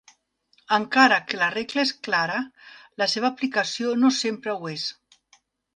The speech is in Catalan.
Encara que la regla és clara, la seva aplicació no sempre ho és.